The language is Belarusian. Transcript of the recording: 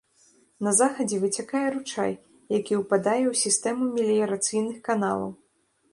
На захадзе выцякае ручай, які ўпадае ў сістэму меліярацыйных каналаў.